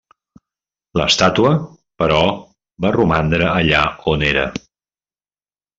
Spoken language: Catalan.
L'estàtua, però, va romandre allà on era.